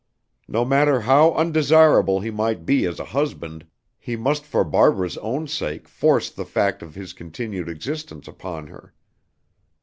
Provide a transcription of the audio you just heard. No matter how undesirable he might be as a husband, he must for Barbara's own sake force the fact of his continued existence upon her.